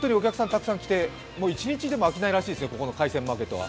たくさん来て一日いても飽きないらしいですね、ここの海鮮マーケットは。